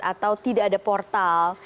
atau tidak ada portal